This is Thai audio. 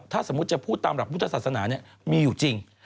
ถ้าสมมุติจะพูดตามหลักพุทธศาสนามีอยู่จริง